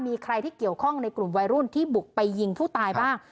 มีใครที่เกี่ยวข้องในกลุ่มวัยรุ่นที่บุกไปยิงผู้ตายบ้าง